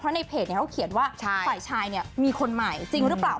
ในเพจเขาเขียนว่าฝ่ายชายมีคนใหม่จริงหรือเปล่า